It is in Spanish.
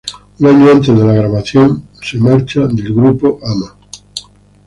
Un año antes de la grabación se marcha del grupo Ama.